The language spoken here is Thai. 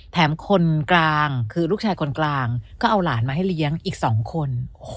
คนกลางคือลูกชายคนกลางก็เอาหลานมาให้เลี้ยงอีก๒คน